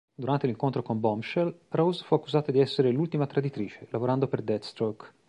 Durante l'incontro con Bombshell, Rose fu accusata di essere l'ultima traditrice, lavorando per Deathstroke.